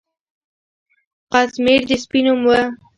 قطمیر د سپي نوم و.